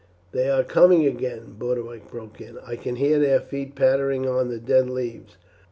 "They are coming again," Boduoc broke in; "I can hear their feet pattering on the dead leaves.